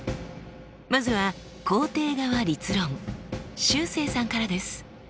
まずは肯定側立論しゅうせいさんからです。